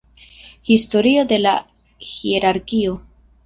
Historio de la hierarkio.